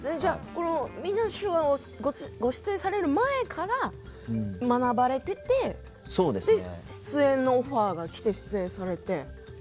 「みんなの手話」にご出演される前から学ばれてて出演のオファーがきて出演されて。